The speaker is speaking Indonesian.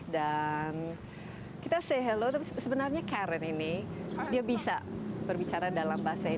dan juga olimpiade